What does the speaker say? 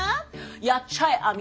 やっちゃえ網浜。